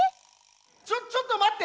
ちょちょっとまって！